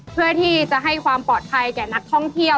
เพื่อที่จะให้ความปลอดภัยแก่นักท่องเที่ยว